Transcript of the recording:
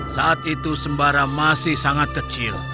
saat itu sembara masih sangat kecil